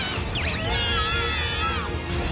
うわ！